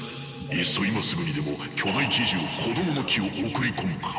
いっそ今すぐにでも巨大奇獣「こどもの樹」を送り込むか。